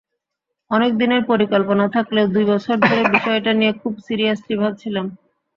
অনেক দিনের পরিকল্পনা থাকলেও দুই বছর ধরে বিষয়টা নিয়ে খুব সিরিয়াসলি ভাবছিলাম।